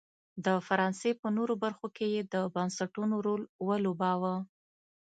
د فرانسې په نورو برخو کې یې د بنسټونو رول ولوباوه.